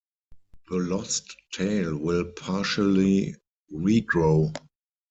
The lost tail will partially regrow.